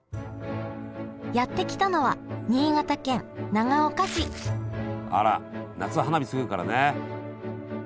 やって来たのはあら夏は花火するからね。